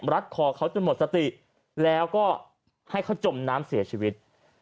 รัดคอเขาจนหมดสติแล้วก็ให้เขาจมน้ำเสียชีวิต